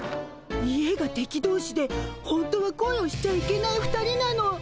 家が敵同士で本当は恋をしちゃいけない２人なの。